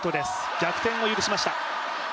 逆転を許しました。